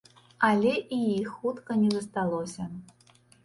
Але і іх хутка не засталося.